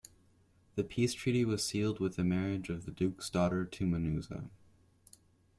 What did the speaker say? The peace treaty was sealed with the marriage of the Duke's daughter to Munuza.